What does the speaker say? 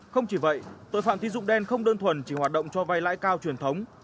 không chỉ vậy tội phạm tín dụng đen không đơn thuần chỉ hoạt động cho vay lãi cao truyền thống